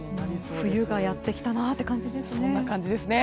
冬がやってきたなって感じですね。